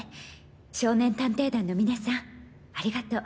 少年探偵団の皆さんありがとう。